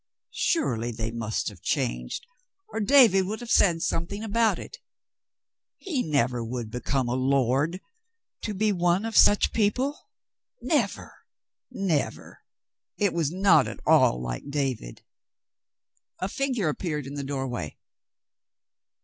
Surely they must have changed, or David would have said something about it. He never would become a lord, to be one of such people — never — never ! It was not at all li^e David. A figure appeared in the doorway.